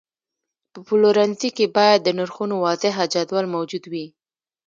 په پلورنځي کې باید د نرخونو واضحه جدول موجود وي.